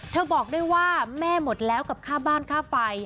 บอกด้วยว่าแม่หมดแล้วกับค่าบ้านค่าไฟ